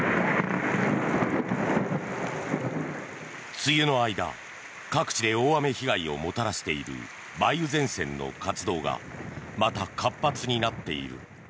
梅雨の間各地で大雨被害をもたらしている梅雨前線の活動がまた活発になっている。